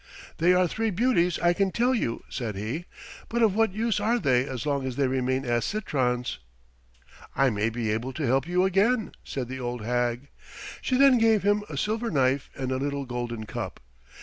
"They are three beauties, I can tell you," said he, "but of what use are they as long as they remain as citrons?" "I may be able to help you again," said the old hag. She then gave him a silver knife and a little golden cup.